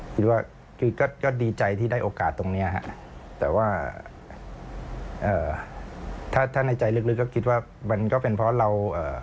คิดว่าก็ดีใจที่ได้โอกาสตรงนี้แต่ว่าถ้าในใจลึกก็คิดว่ามันก็เป็นเพราะเรา